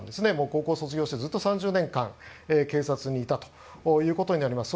高校卒業してずっと３０年間警察にいたということになります。